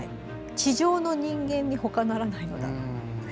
地上の人間にほかならないのだ」。